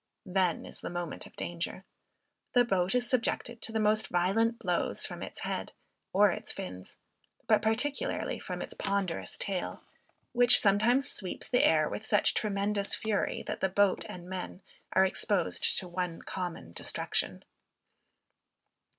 Then is the moment of danger. The boat is subjected to the most violent blows from its head, or its fins, but particularly from its ponderous tail, which sometimes sweeps the air with such tremendous fury, that boat and men are exposed to one common destruction.